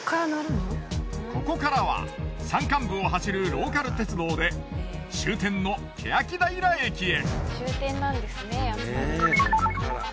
ここからは山間部を走るローカル鉄道で終点の欅平駅へ。